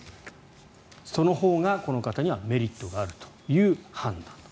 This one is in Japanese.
そのほうが、この方にはメリットがあるという判断。